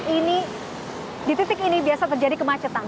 ini di titik ini biasa terjadi kemacetan